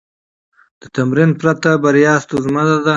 د تمرین پرته، بریا ستونزمنه ده.